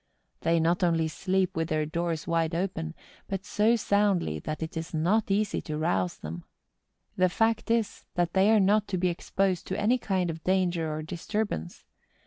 ... They not only sleep with their doors wide open, but so soundly that it is not easy to rouse them. The fact is, that they are not to be exposed to any kind of danger or disturbance.